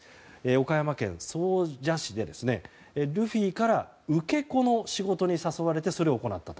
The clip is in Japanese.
岡山県総社市でルフィから受け子の仕事に誘われてそれを行ったと。